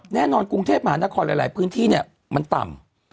แน่นอนกรุงเทพมหานครหลายหลายพื้นที่เนี่ยมันต่ำ